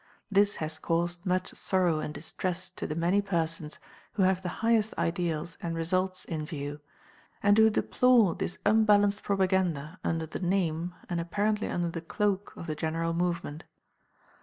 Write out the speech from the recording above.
This has caused much sorrow and distress to the many persons who have the highest ideals and results in view, and who deplore this unbalanced propaganda under the name, and apparently under the cloak of the general movement.